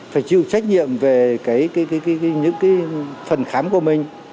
phải chịu trách nhiệm về những phần khám của mình